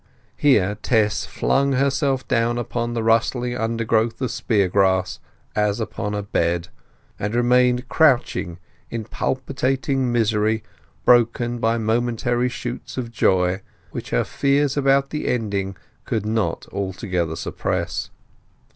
Here Tess flung herself down upon the rustling undergrowth of spear grass, as upon a bed, and remained crouching in palpitating misery broken by momentary shoots of joy, which her fears about the ending could not altogether suppress.